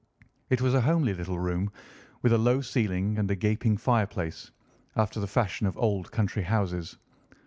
It was a homely little room, with a low ceiling and a gaping fireplace, after the fashion of old country houses.